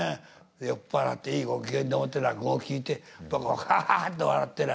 酔っ払っていいご機嫌でもって落語を聴いてハハハッと笑ってな。